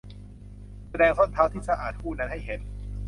แสดงส้นเท้าที่สะอาดคู่นั้นให้เห็น